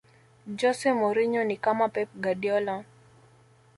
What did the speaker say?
jose mourinho ni kama pep guardiola